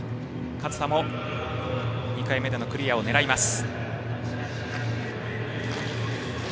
勝田も２回目でのクリアを狙います。